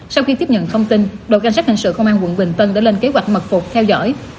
sau khi tiếp nhận thông tin đội canh sát hình sự công an quận bình tân đã lên kế hoạch mật phục theo dõi